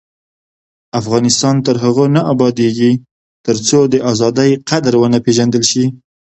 افغانستان تر هغو نه ابادیږي، ترڅو د ازادۍ قدر ونه پیژندل شي.